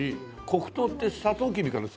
黒糖ってサトウキビから作るの？